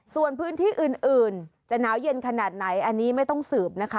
ส่วนพื้นที่อื่นจะหนาวเย็นขนาดไหนอันนี้ไม่ต้องสืบนะคะ